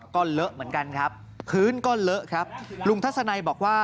ก็เลอะเหมือนกันครับพื้นก็เลอะครับลุงทัศนัยบอกว่า